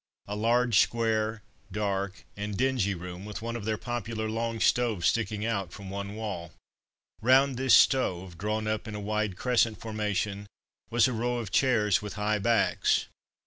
A large square, dark, and dingy room, with one of their popular long stoves sticking out from one wall. Round this stove, drawn up in a wide crescent formation, was a row of chairs with high backs.